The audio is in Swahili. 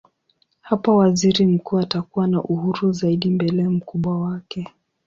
Hapo waziri mkuu atakuwa na uhuru zaidi mbele mkubwa wake.